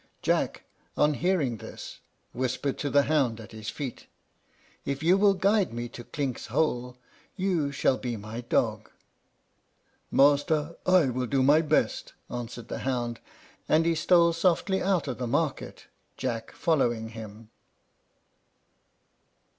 Jack, on hearing this, whispered to the hound at his feet, "If you will guide me to Clink's hole, you shall be my dog." "Master, I will do my best," answered the hound; and he stole softly out of the market, Jack following him.